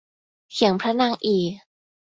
เขียงพระนางอี่